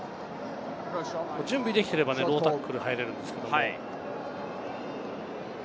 準備できていればロータックルで入れるんですけど。